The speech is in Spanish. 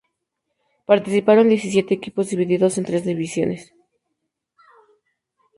Participaron diecisiete equipos divididos en tres divisiones.